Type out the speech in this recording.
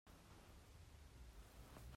Tlang cungah khin a hung kal.